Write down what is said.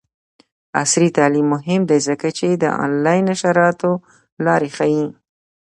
عصري تعلیم مهم دی ځکه چې د آنلاین نشراتو لارې ښيي.